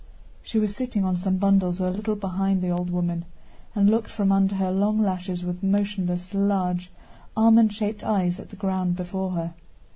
She was sitting on some bundles a little behind the old woman, and looked from under her long lashes with motionless, large, almond shaped eyes at the ground before her.